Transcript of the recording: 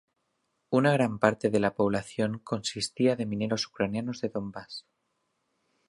Una gran parte de la población consistía de mineros ucranianos de Donbas.